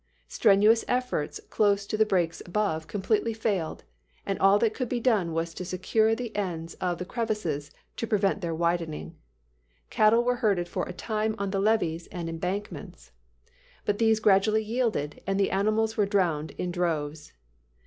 Strenuous efforts to close the breaks above completely failed; and all that could be done was to secure the ends of the crevasses to prevent their widening. Cattle were herded for a time on the levees and embankments, [Illustration: NEGROES MOVING OUT.] but these gradually yielded, and the animals were drowned in droves.